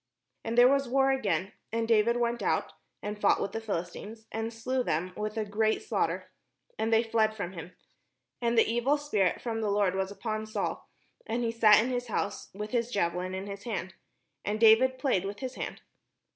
And there was war again: and David went out, and fought with the PhiHstines, and slew them with a great slaughter; and they fled from him. And the evil spirit from the Lord was upon Saul, as he sat in his house with his javelin in his hand : and David played with his hand.